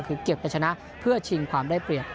คือเก็บจะชนะเพื่อชิงความได้เปรียบ